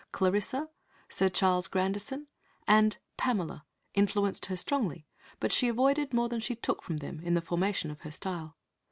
Clarissa, Sir Charles Grandison and Pamela influenced her strongly, but she avoided more than she took from them in the formation of her style.